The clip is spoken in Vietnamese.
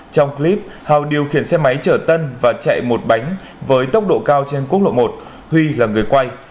trong clip hào điều khiển xe máy trở tân và chạy một bánh với tốc độ cao trên quốc lộ một huy là người quay